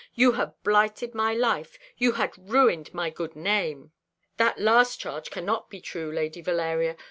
You have blighted my life; you have ruined my good name." "That last charge cannot be true, Lady Valeria.